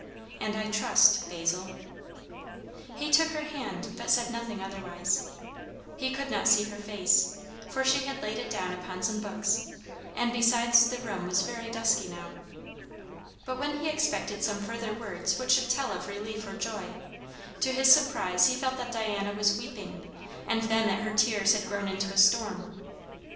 "And I trust, Basil." He took her hand, but said nothing otherwise. He could not see her face, for she had laid it down upon some books, and besides the room was very dusky now. But when he expected some further words which should tell of relief or joy, to his surprise he felt that Diana was weeping, and then that her tears had grown into a storm.